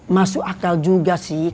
masuk akal juga sih